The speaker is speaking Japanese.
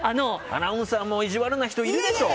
アナウンサーも意地悪な人いるでしょ！